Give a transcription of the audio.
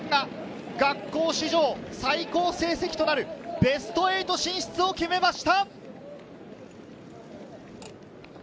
５人決めた岡山学芸館が学校史上、最高成績となるベスト８進出を決めました。